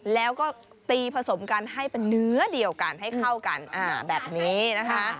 แล้วก็ตีผสมกันให้เป็นเนื้อเดียวกันให้เข้ากันแบบนี้นะคะ